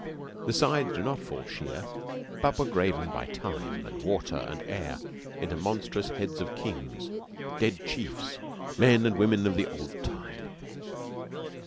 The sides did not fall sheer, but were graven by time, and water, and air into monstrous heads of kings, dead chiefs men and women of the old time.